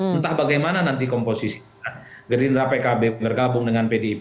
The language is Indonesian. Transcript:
entah bagaimana nanti komposisi gerindra pkb bergabung dengan pdip